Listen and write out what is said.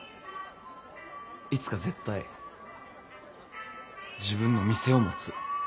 いつか絶対自分の店を持つ。